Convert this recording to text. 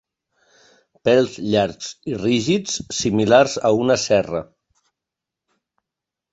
Pèls llargs i rígids similars a una cerra.